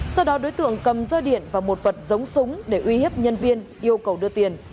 sau đó đối tượng cầm roi điện và một vật giống súng để uy hiếp nhân viên yêu cầu đưa tiền